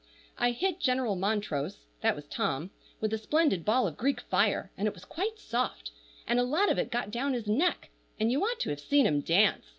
I hit General Montrose (that was Tom) with a splendid ball of Greek fire, and it was quite soft, and a lot of it got down his neck, and you ought to have seen him dance.